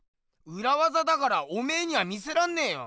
うらわざだからおめえには見せらんねえよ。